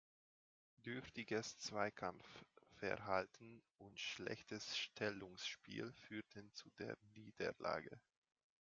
Dürftiges Zweikampfverhalten und schlechtes Stellungsspiel führten zu der Niederlage.